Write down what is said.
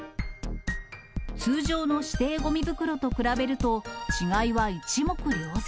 通常の指定ごみ袋と比べると、違いは一目瞭然。